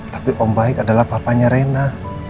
tapi om baik adalah papanya rena